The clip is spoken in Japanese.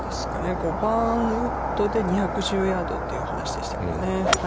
５番ウッドで２１０ヤードという話でしたけどね。